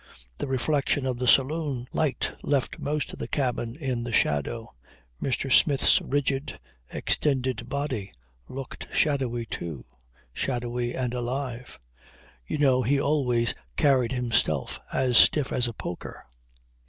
The reflection of the saloon light left most of the cabin in the shadow. Mr. Smith's rigid, extended body looked shadowy too, shadowy and alive. You know he always carried himself as stiff as a poker.